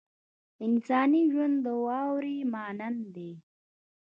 انساني ژوند د واورې مانند دی.